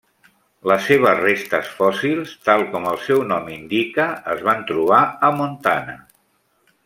Les seves restes fòssils, tal com el seu nom indica, es van trobar a Montana.